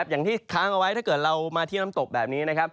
อย่างที่ค้ำเอาไว้